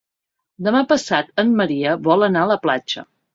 Demà passat en Maria vol anar a la platja.